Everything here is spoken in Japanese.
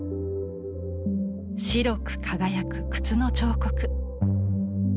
白く輝く靴の彫刻。